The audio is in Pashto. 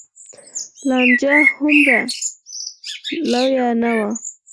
لانجه هومره لویه نه وه.